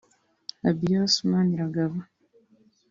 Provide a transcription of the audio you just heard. Abias Maniragaba